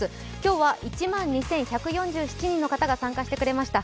今朝は１万２１４７人の方が参加してくれました。